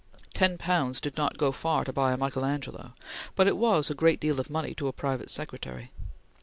Ten pounds did not go far to buy a Michael Angelo, but was a great deal of money to a private secretary.